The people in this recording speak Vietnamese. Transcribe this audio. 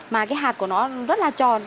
mà cái hạt của nó rất là tròn